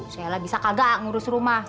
sayalah bisa kagak ngurus rumah